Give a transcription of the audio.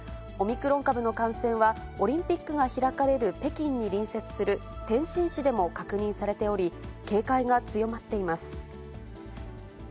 オミクロン株の感染は、オリンピックが開かれる北京に隣接する天津市でも確認されており、警戒が強まっています。